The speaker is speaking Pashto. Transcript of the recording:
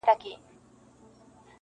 له جهان سره به سیال سيقاسم یاره,